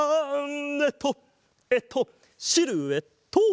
えっとえっとシルエット！